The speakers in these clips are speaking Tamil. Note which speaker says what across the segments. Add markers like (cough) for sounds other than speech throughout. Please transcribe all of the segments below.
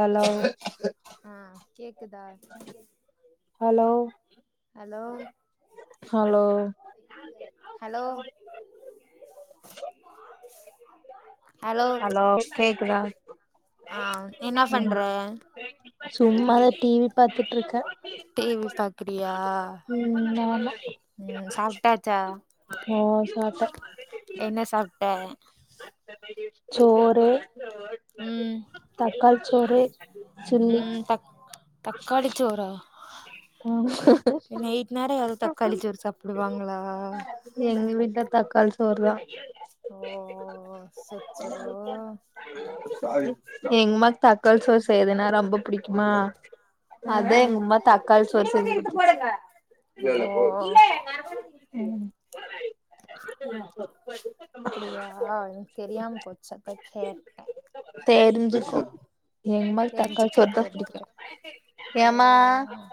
Speaker 1: ஹலோ
Speaker 2: ஆ கேக்குதா
Speaker 1: hello
Speaker 2: hello
Speaker 1: hello
Speaker 2: hello
Speaker 1: hello கேக்குதா
Speaker 2: ஆ என்ன பண்ற
Speaker 1: சும்மாதா டி வி பாத்துட்ருக்கே
Speaker 2: ப்பியா
Speaker 1: உம் மொர்ல
Speaker 2: உ சாப்டாச்சா
Speaker 1: ஓ சாப்ட்ட
Speaker 2: என்ன சாப்ட
Speaker 1: சோறு
Speaker 2: ம்
Speaker 1: தக்காளி சோறு சில்லி
Speaker 2: ம் சாப் தக்காளிச்சோறா
Speaker 1: ம்
Speaker 2: நைட்டு நேரோ யாராவது தக்காளிச்சோரு சாப்பிடுவாங்களா
Speaker 1: எங்க வீட்ல தக்காளி சோறுதா
Speaker 2: ஓ சச்சோ
Speaker 1: எங்கமாக்கு தக்காளி சோறு செய்துன்னா ரொம்ப புடிக்குமா அதா
Speaker 2: ம்
Speaker 1: எங்கம்மா தக்காளி சோரு செஞ்ச ருச்சி
Speaker 2: ஓ
Speaker 1: ம்
Speaker 2: அப்டியா எனக்கு தெரியாம போச்சே அதா கேட்டே
Speaker 1: தெரிஞ்சுகோ எங்மாக்கு
Speaker 2: தெரிஞ்சுக்கிறே
Speaker 1: தக்காளிச்சோருதா பிடிக்கு
Speaker 2: தெரிஞ்சுக்கிறே
Speaker 1: ஏமா
Speaker 2: ஓ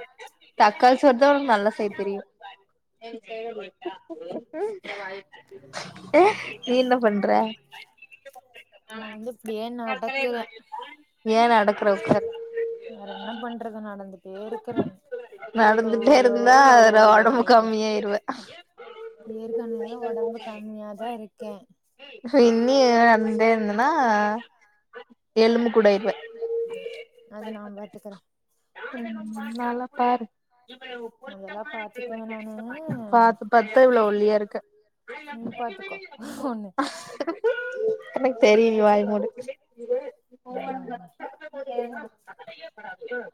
Speaker 1: தக்காளி சோருதா ஒனக்கு நல்லா செய்ய தெரியு நீ என்ன பண்ற
Speaker 2: நா வந்து இப்டியே நடக்குறே
Speaker 1: ஏ நடக்குற உக்காரு
Speaker 2: வேற என்ன பண்றது நடந்துட்டே இருக்குறே லோ
Speaker 1: நடந்துட்டே
Speaker 2: லோ
Speaker 1: இருந்தா
Speaker 2: லோ
Speaker 1: அதுல
Speaker 2: லோ
Speaker 1: ஒடம்பு
Speaker 2: லோ
Speaker 1: கம்மியாயிருவ
Speaker 2: ஏற்கனவே ஒடம்பு கம்மியாதா இருக்கே
Speaker 1: இன்னியே நடந்துகிட்டே இருந்தேன்னா எலும்பு கூடாயிருவே
Speaker 2: அது நா பாத்துக்குறே
Speaker 1: உ நல்லா பாரு
Speaker 2: அதெல்லா பாத்துக்குவே நானு
Speaker 1: பாத்து பாத்து இவ்ளோ ஒல்லியா இருக்க
Speaker 2: உம் பாத்துக்கோ உண்ண
Speaker 1: எனக்கு தெரியும் நீ வாய மூடு
Speaker 2: அ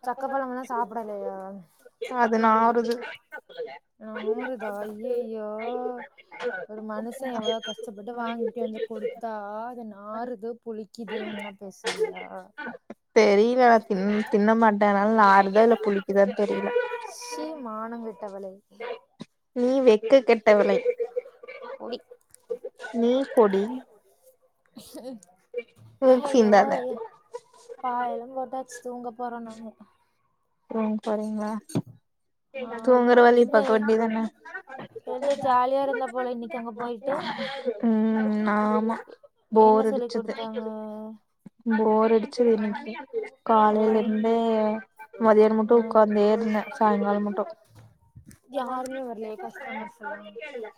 Speaker 2: சக்க பழமெல்லா சாப்டலையா
Speaker 1: அது நாருது
Speaker 2: நாறுதா ஐய்யய்யோ ஒரு மனுசே எவ்ளோ கஷ்டப்பட்டு வாங்கிட்டு வந்து குடுத்தா அது நாறுது புளிக் கிதுன்லா பேசுவியா
Speaker 1: தெரில்ல தின் தின்னா தெரியல
Speaker 2: சீ மானங்கெட்டவளே
Speaker 1: நீ வெக்க கெட்டவலே
Speaker 2: கோடி
Speaker 1: நீ கொடி மூக்கு
Speaker 2: ஹய்யோ
Speaker 1: சீந்தாத
Speaker 2: ஹயோ பா இளங்கோட்டாச் தூங்க போறோ நாங்க
Speaker 1: தூங் போறீங்ளா
Speaker 2: ஆமா
Speaker 1: தூங்குற வழி
Speaker 2: என்ன
Speaker 1: பாக்க வேன்டிதான
Speaker 2: என்ட ஜாலியா இருந்த போல இன்னைக்கு அங்க போயிட்டு
Speaker 1: உ ஆமா
Speaker 2: என்ன
Speaker 1: போர்
Speaker 2: சொல்லி
Speaker 1: அடிச்சுது
Speaker 2: குடுத்தாங்க
Speaker 1: போர் அடிச்சுது இன்னிக்கு
Speaker 2: ஆ
Speaker 1: காலேல இருந்தே மதியானோமுட்டு
Speaker 2: ஆ
Speaker 1: உக்காந்தே இருந்தே சாய்ங்காலோ முட்டு
Speaker 2: யாருமே வர்ல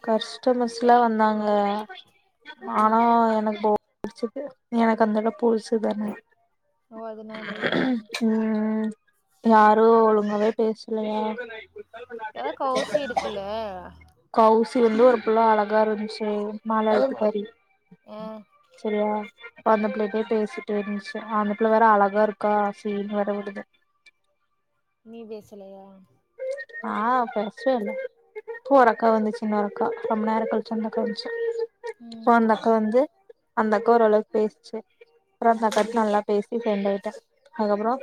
Speaker 1: கஷ்டமஸ்சுலா வந்தாங்க
Speaker 2: ம்
Speaker 1: ஆனா எனக் போ டிச்சது எனக்கு அந்தலக் புதுசு தானே
Speaker 2: ஓ அதனாலயா
Speaker 1: ம் யாரு ஒழுங்காவே பேஸ்லயா
Speaker 2: ஏதா கவுசி இருக்குல்ல
Speaker 1: கவ்சி வந்து ஒரு புள்ள அழகா இருந்ச்சு மாலத்துக்காரி
Speaker 2: ஆ
Speaker 1: செரியா இப்ப அந்த புள்ளைட்டே பேசிட்டு இருந்ச்சு அந்த புள்ள வேற அழகா இருக்கா சீன் வேர விடுது
Speaker 2: நீ பேசலயா
Speaker 1: நா பேசுவே இல்ல பூ ஓரக்கா வந்துச்சு இன்னோர் அக்கா ரொம்ப நேர கழ்ச்சி அந்த கான்சு
Speaker 2: ம்
Speaker 1: பா அந்த அக்கா வந்து அந்த அக்கா ஓரளவுக்கு பேசிச்சு அப்புற அந்த
Speaker 2: ம்
Speaker 1: அக்கா நல்லா பேசி ஃப்ரண்டு ஆயிட்ட அதுக்கப்பறோ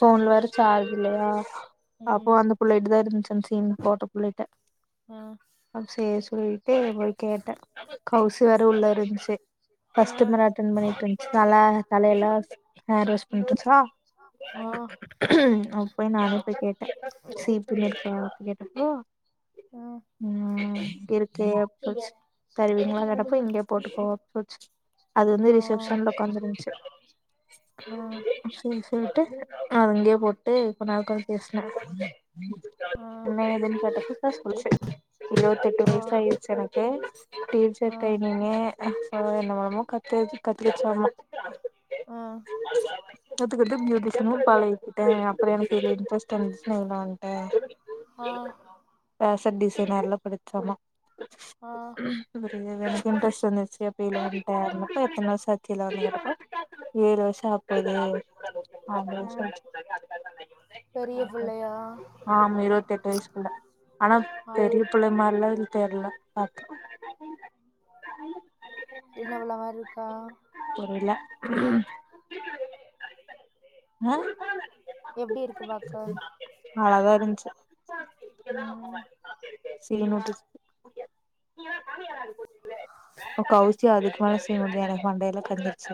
Speaker 1: போன்ல வேற சார்ஜ் இல்லயா அப்போ
Speaker 2: ம்
Speaker 1: அந்த புள்ள ட்ட தா இருந்ச்சு அன் சீன் போட்ட புள்ளைட்ட
Speaker 2: ஆ
Speaker 1: அ சேர் சொல்லிட்டு போய் கேட்ட கவ்சி வேர உள்ள இருன்ச்சு கஸ்ட்டமர
Speaker 2: ஆ
Speaker 1: அட்டென் பண்ணிட்ருன்ச்சு நல்லா தலையெல்லா ஹர்வாஷ் பண்ணிட் இருந்ச்சா அப்ப நானு போய் கேட்ட சீ பின் இருக்கா கேட்டப்போ
Speaker 2: ஆ
Speaker 1: ம் கிருக்கு புச் தருவீங்களா தர இப்ப இங்கே போட்டுக்கோ சொல்ச் அது வந்து
Speaker 2: ஆ
Speaker 1: ரிசப்ஷன்ல உக்காந்து இருந்ன்ச்சி
Speaker 2: ஆ
Speaker 1: ம்
Speaker 2: ஆ
Speaker 1: சேர் சேர்ட்டு நா அங்கேயே போட்டு கொன் நேர உக்காந் பேஸ்
Speaker 2: ஆ
Speaker 1: னே துன் கேட்டா பே சொல்லுது இருவத்தெட்டு
Speaker 2: ஆ
Speaker 1: வயசு ஆயிச்சு எனக்கு டீச்சர்
Speaker 2: ஆ
Speaker 1: ட்ரைனிங்கு என்ன என்னமோ கத்து கத்துக்கிச்சாமா
Speaker 2: ஆ
Speaker 1: கத்துக்கிட்டு பியூட்டிஸன்னு பழகிட்டே அப்பற எனக்கு இது இன்ட்ரெஸ்ட்டா இரு வேணான்ட்ட
Speaker 2: ஆ
Speaker 1: பேஷன் டிசைனர்ல்லா படிச்சோமா
Speaker 2: ஆ
Speaker 1: எனக்கு இன்ட்ரெஸ்ட் இருந்துச்சு அப்டியே இதுல வந்ட்ட மொத்த எத்தன வருஷ ஆச்சி அப்டி கேட்டப்போ ஏழு வர்ஷா ஆப்போது
Speaker 2: ஆ
Speaker 1: அப்டின் சொல்ச்சு
Speaker 2: பெரிய புள்ளயா
Speaker 1: ஆமா இருவத்தெட்டு வயசுக்குள்ள ஆனா
Speaker 2: ஆ
Speaker 1: பெரிய புள்ள மாரில்லா இது தெர்ல பத்
Speaker 2: என்ன உள்ள ஆர் இருக்கா
Speaker 1: தெரியல அ
Speaker 2: எப்டி இருக்கு பாக்க
Speaker 1: அழாகா இருந்துச்சி
Speaker 2: ம்
Speaker 1: சீன் நோட்டுச்சி கௌசி அதுக்குமேல சீன் வேற மண்டையல்லா கஞ்சிச்சு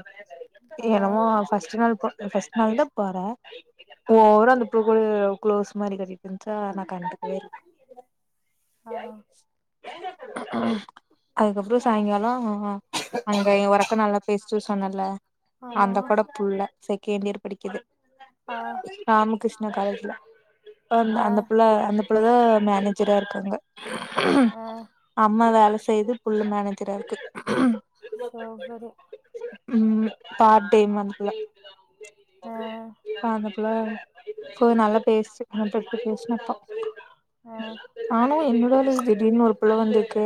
Speaker 2: ஆ
Speaker 1: என்னமோ ஃபர்ஸ்ட் நாள் போ ஃபர்ஸ்ட்நாள் தான் போற ஓவரா தொப்புள் கொடிய க்ளோஸ் மாரி கட்டிட்டு இருந்துச்சி ஆ நா கண்டு போயிர
Speaker 2: ஆ
Speaker 1: அதுக்கப்பறம் சாயங்காலம் அங்க ஒரக்கா நல்லா பேஸ்டு சொன்னல
Speaker 2: ஆமா
Speaker 1: அந்த அக்கா கூட புள்ள செகண்ட் இயர் படிக்குது
Speaker 2: ஆ
Speaker 1: பம்ம
Speaker 2: ஆ
Speaker 1: அந்த புள்ள அந்த புள்ளதா மேனேஜரா இருக்காங்க
Speaker 2: ஹா
Speaker 1: அம்மா வேல செய்து புள்ள மேனேஜரா இருக்கு
Speaker 2: போவ்வதோ
Speaker 1: உம் பார்ட் டைம் வந்துக்களா
Speaker 2: ஆ
Speaker 1: ஹா அந்த புள்ள கோ நல்லா பேசிச்சி மணசவிட்டு பேசுனப்போ
Speaker 2: ஆ
Speaker 1: நானும் என்னடா இது திடீர்னு ஒரு புள்ள வந்துருக்கு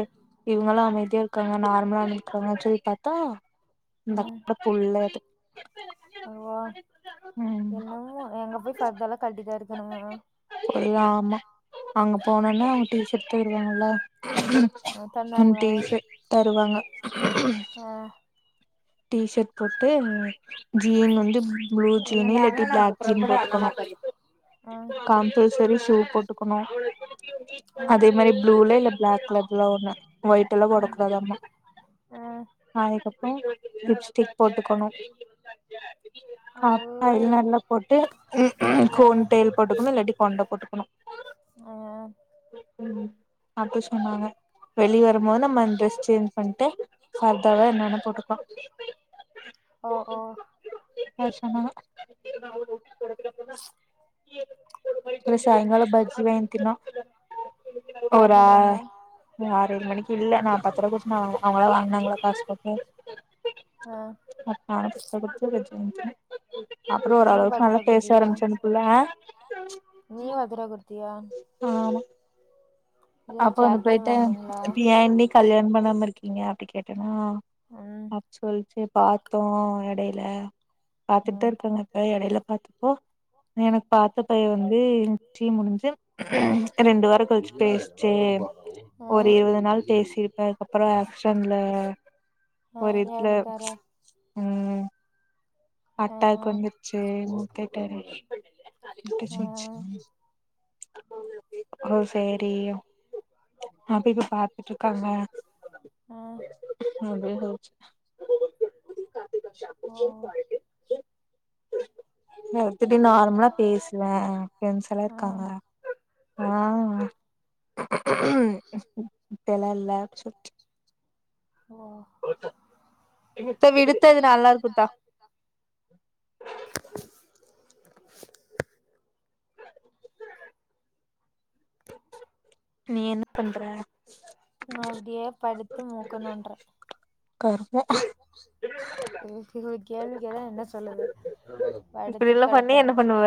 Speaker 1: இவங்களா அமைதியா இருக்காங்க நார்மலா இருக்காங்க சொல்லி பாத்தா இந்த
Speaker 2: ம்
Speaker 1: (unintelligible) புள்ள அது உம்
Speaker 2: அங்க போய் ஃபர்தால்லா கழ்டிதா இருக்கணுமா
Speaker 1: போடி ஆமா அங்க போனுனா அவங்க டீச்சர் தேடுவாங்கல்ல அன்
Speaker 2: தந்தாங்களா
Speaker 1: டீச்சர் தருவாங்க
Speaker 2: ஆ
Speaker 1: டீ ஷர்ட் போட்டு ஜீன் வந்து ப்புளு ஜீன் இல்லாட்டி பிளாக் ஜீன் போட்டுக்கனு
Speaker 2: ஆ
Speaker 1: கம்பல்சரி ஷூ போட்டுக்கணு
Speaker 2: ம்
Speaker 1: அதே மாரி ப்ளூல இல்ல பிளாக் கலர்ல்ல ஒண்ணு ஒயிட்ல்லா
Speaker 2: ம்
Speaker 1: போடக்கூடதாம்மா
Speaker 2: ம்
Speaker 1: அதுக்கப்பறோ லிப்ஸ்டிக் போட்டுக்கணு
Speaker 2: இல்ல (unintelligible)
Speaker 1: (unintelligible) நல்லா போட்டு போனி டைல் போட்டுக்கணு இல்லாட்டி கொண்ட போட்டுக்கணு
Speaker 2: ஓ
Speaker 1: உம் அப்டி சொன்னாங்க வெளிய வரும்போது நம்ம அந்த ட்ரெஸ் சேஞ்ச் பண்டு ஃபர்தாவ என்னென்ன போட்டுக்கலா
Speaker 2: ஒ ஓ
Speaker 1: வர சொன்னாங்க இன்னெக்கி சாயங்காலோ பஜ்ஜி வாங்கின்னோ ஒரு ஆ
Speaker 2: வாய்ன்டுவந்தாங்க
Speaker 1: வேரொரு மணிக்கு இல்ல நான் பத்திர குச்ச அவங்களா வாங்கனாங்களா காசு போட்டு.
Speaker 2: அ
Speaker 1: (unintelligible) அப்பறோ
Speaker 2: நீ
Speaker 1: ஓரளவுக்கு
Speaker 2: பத்து ரூவா
Speaker 1: நல்லா பேச ஆரம்பிச்சு அந்த புள்ள
Speaker 2: நீயு அதரா குற்த்தியா
Speaker 1: ஆமா அப்ப அந்த
Speaker 2: ஷேர் பண்ணி
Speaker 1: ப்ளேட்ட
Speaker 2: வாங்குனீங்களா
Speaker 1: இப்ப யேண்டி கல்யாணோ பண்ணாம இருக்கீங்க அப்டி கேட்டனா
Speaker 2: ம்
Speaker 1: சொல்லிச்சு பாத்தோ எடையில பாத்துட்டு தா
Speaker 2: ம்
Speaker 1: இருக்காங்க இப்ப எடையில பாத்தப்போ எனக்கு பாத்த பைய்யே வந்து நிச்சியோ முடிஞ்சு ரெண்டு வாரோ கழிச்சு பேசு ச்சு
Speaker 2: ஆ
Speaker 1: ஒரு இருவது நாள் பேசிருப்பே அதுக்கப்றோ ஆக்ஷன்ல
Speaker 2: ஆ
Speaker 1: ஒரு இதுல
Speaker 2: எறந்துட்டாரா
Speaker 1: ம் அட்டாக் வந்துருச்சு முட்டிட்டாரு
Speaker 2: அ
Speaker 1: முட்டிச்சு வச்சு
Speaker 2: அ
Speaker 1: ஓ சேரி அப்டின்னு பாத்துட்டு இருக்காங்க
Speaker 2: (unintelligible) அ
Speaker 1: அப்டின்னு சொல்ச்சீ
Speaker 2: ஓ
Speaker 1: எல்லாத்துட்டயு நார்மலா பேசுவே ஃப்ரெண்ஸ்ல்லா
Speaker 2: ஆ
Speaker 1: இருக்காங்க ஆ அப்டில்லா இல்ல அப்டி சொல்ச்சீ
Speaker 2: ஓ
Speaker 1: இப்ப விடுத்தது நல்லா இருக்குத்தா
Speaker 2: (unintelligible)
Speaker 1: நீ என்ன பண்ற
Speaker 2: நா அப்டியே படுத்து மூக்க நோன்ட்ற
Speaker 1: கருமோ
Speaker 2: ம் இது ஒரு கேள்வி கேட்டா என்ன சொல்லுது
Speaker 1: இப்டி
Speaker 2: படுத்து
Speaker 1: எல்லா பண்ணி
Speaker 2: கெடக்குற
Speaker 1: என்ன பண்ணுவ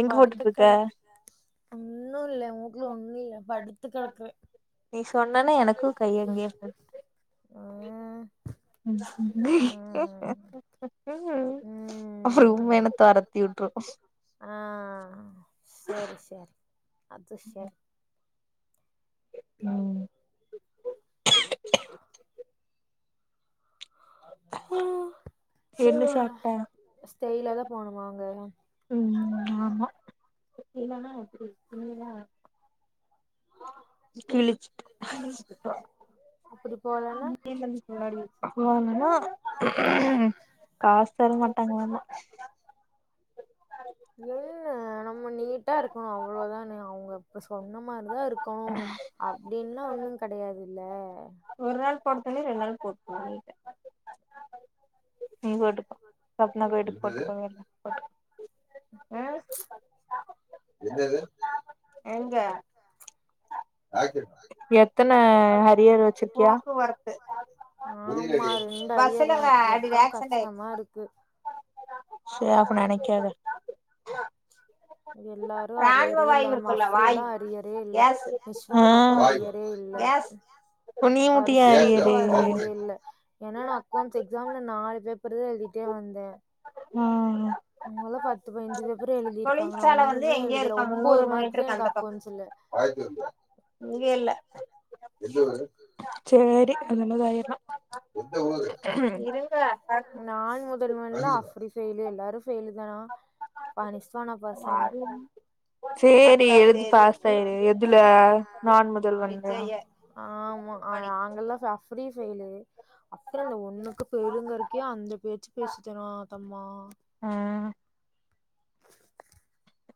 Speaker 1: எங்க
Speaker 2: படுத்து
Speaker 1: போட்டுட்டு இருக்க
Speaker 2: கெடக்கு ஒன்னு இல்ல எ மூக்குல ஒண்ணு இல்ல படுத்து கெடக்குற
Speaker 1: நீ சொன்னனு எனக்கு கை அங்கே போது
Speaker 2: (unintelligible) ம்
Speaker 1: (unintelligible)
Speaker 2: ம்
Speaker 1: உம்மேனத்த ஒரத்தி விட்ரு
Speaker 2: ஆ சேரி சேரி அதுசேர்
Speaker 1: ம்
Speaker 2: (unintelligible)
Speaker 1: என்ன சாப்ட்ட
Speaker 2: ஸ்டைல தா போனுமா அங்க
Speaker 1: ம் ஆமா இல்லீனா எப்டி கிளிச்சிட்
Speaker 2: அப்டி போலன்னா
Speaker 1: (unintelligible) போனன்னா காசு தர மாட்டாங்களாம
Speaker 2: என்ன நம்ம நீட்டா இருக்குணு அவ்ளோ தானே அவுங்க இப்ப சொன்ன மாரிதா இருக்கோ அப்டின்னுலா ஒன்னு கெடையாது இல்ல
Speaker 1: ஒரு நாள் போட்டத்துணிய ரெண்டு நாள் போட்டு பேய்ட்ட ம் நீ போட்டுக்கோ பத்து நாள் போய்ட்டு போட்டுக்கவே இல்ல போட்டு ம் என்னது எங்க எத்தன ஹரியர் வச்சிருக்கியா
Speaker 2: ஆமா
Speaker 1: எதுலடி
Speaker 2: ரெண்டு அரியர்
Speaker 1: பஸ்லங்க
Speaker 2: எனக்கு
Speaker 1: அது
Speaker 2: இருக்கா
Speaker 1: வேக்சிடென்ட் ஆயிச்சு
Speaker 2: கஷ்டமா இருக்கு
Speaker 1: சே அப்ப நெனைக்காத
Speaker 2: எல்லாரு அரியரே இல்லாம அஃப்ரி எல்லா அரியர் ரே இல்ல ரிஸ்வானாக்கு
Speaker 1: ஆ
Speaker 2: அரியரே இல்ல
Speaker 1: இப்ப நீ மட்டு ஏ
Speaker 2: ஃபர்சுக்கு
Speaker 1: அரியரு
Speaker 2: அரியரே இல்ல ஏன்னா நா அக்கவுண்ட்ஸ் எக்ஸாம்ல நாலு பேப்பர் தா எழுதிட்டே வந்தே
Speaker 1: ம் ம்
Speaker 2: அவுங்க எல்லா பத்து பதினஞ்சி பேப்பர் எழுதிருக்காங்க நா ஒன்னுமே எழுதல ஒம்போது மார்க்கு தா எனக்கு அக்கவுண்ட்ஸ்ல (inaudible)
Speaker 1: இங்க இல்ல
Speaker 2: (inaudible)
Speaker 1: சேரி அது ஏன்னதோ ஆயிரு
Speaker 2: நான் முதல்வன்ல அப்டி பெயில் எல்லாரு பெய்லு தான ரிஷ்வானா பாசாமு
Speaker 1: சேரி எழுதி பாஸ்சாயிரு எதுல நான் முதல்வன்ல
Speaker 2: ஆமா நாங்கெல்லா சஃப்டி ஃபெயிலு அப்ரல்ல ஒன்னுக்கு ஃபெயிலுங்கறக்கே அந்த பேச்சு பேசுட்டேனா அத்தம்மா
Speaker 1: ம்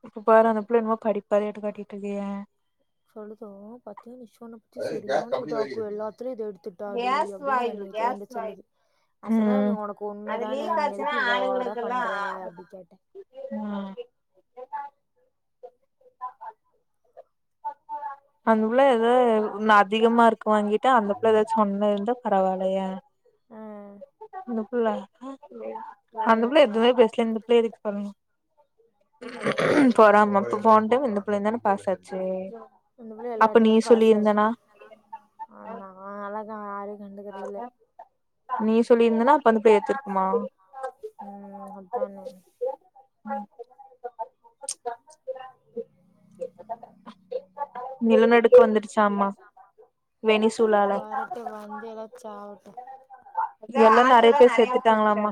Speaker 1: இப்ப பாரு அந்தப்புள்ள என்னமோ படிப்பாளியாட்டோ காட்டிட்டு இருக்கு எயே
Speaker 2: சொல்லுதோ பத்தியா நிஷான பத்தி செரியான இதாக்கு எல்லாத்திலையு இத எடுத்துட்டாடி அப்டின்னு என்னிட்டே வந்து சொல்லுது நா
Speaker 1: ம்
Speaker 2: சொன்ன உனக்கு ஒன்னு தானே நீ எதுக்கு இவ்ளோ ஓவரா பண்ற அப்டி கேட்டே
Speaker 1: ஆ அந்த புள்ள ஏதா நா அதிக மார்க் வாங்கிட்ட அந்த புள்ள எதாச்சு கம்மியா இருந்த பரவால்லையே
Speaker 2: ஆ
Speaker 1: அந்த புள்ள அந்த புள்ள எதுவுமே பேசல இந்த புள்ள எதுக்கு பண்ணனு பொறாம இப்ப போன டைம் இந்த புள்ளையு தானே பாஸ் ஆச்
Speaker 2: இந்தப் புள்ள எல்லாத்தையு பாஸ் ஆச்சி
Speaker 1: சொல்லியிருந்தனா
Speaker 2: ஆனா அந்த அளக்கு யாரையு கண்டுக்கர்து இல்ல
Speaker 1: நீ சொல்லி இருந்தனா படிப்ப ஏத்திருக்குமா
Speaker 2: ம் அத்தானே
Speaker 1: (inaudible) நிலநடுக்கோ வந்துடுச்சாமா வெனிசூலால
Speaker 2: வரட்டு வந்து எல்லா சாவட்டு
Speaker 1: இங்க எல்லா நெறைய பேர் செத்துட்டாங்களாமா